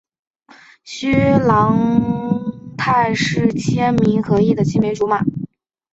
须藤良太是千明和义的青梅竹马。